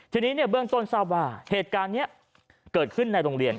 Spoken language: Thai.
ทีนี้เบื้องต้นทราบว่าเหตุการณ์นี้เกิดขึ้นในโรงเรียน